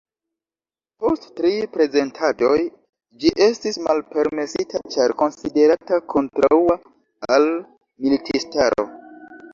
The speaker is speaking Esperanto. Post tri prezentadoj ĝi estis malpermesita ĉar konsiderata kontraŭa al militistaro.